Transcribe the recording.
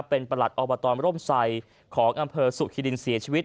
เป็นประหลัดอบตรร่มไซของอำเภอสุฮิรินเสียชีวิต